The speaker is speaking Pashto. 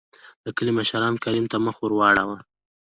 دکلي مشرانو کريم ته مخ ور ور واړو .